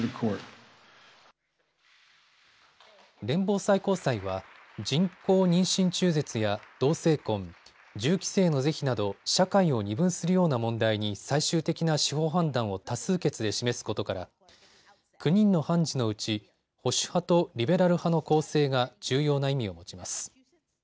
連邦最高裁は、人工妊娠中絶や同性婚、銃規制の是非など社会を二分するような問題に最終的な司法判断を多数決で示すことから９人の判事のうち保守派とリベラル派の構成が重要な意味を持ちます。